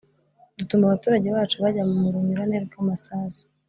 dutuma abaturage bacu bajya mu runyuranyurane rw’ amasasu